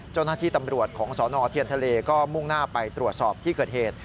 เจ้าหน้าที่ตำรวจของสนเทียนทะเลก็มุ่งหน้าไปตรวจสอบที่เกิดเหตุ